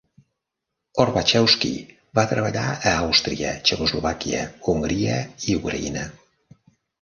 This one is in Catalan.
Horbachevsky va treballar a Àustria, Txecoslovàquia, Hongria i Ucraïna.